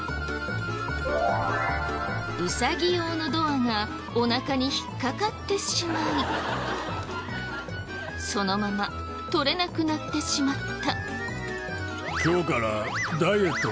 ウサギ用のドアがおなかに引っかかってしまいそのまま取れなくなってしまった。